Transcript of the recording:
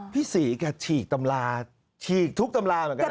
พี่ศรีแกฉีกตำราฉีกทุกตำราเหมือนกัน